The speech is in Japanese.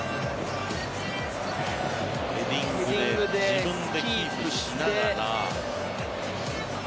ヘディングで自分でキープしながら。